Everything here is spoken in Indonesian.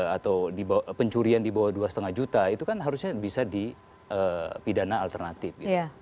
atau pencurian di bawah dua lima juta itu kan harusnya bisa dipidana alternatif gitu